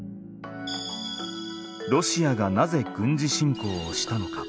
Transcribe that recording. ロシアがなぜ軍事侵攻をしたのか？